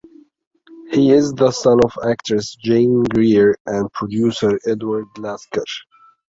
He is the son of actress Jane Greer and producer Edward Lasker.